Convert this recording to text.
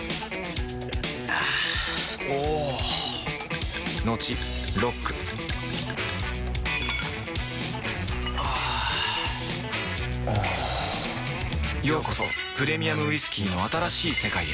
あぁおぉトクトクあぁおぉようこそプレミアムウイスキーの新しい世界へ